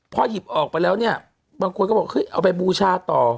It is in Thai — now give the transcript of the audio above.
พอหยิบออกไปแล้วเนี่ยบางคนก็บอกเฮ้ยเอาไปบูชาต่อ